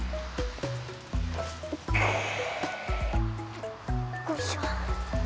よっこいしょ。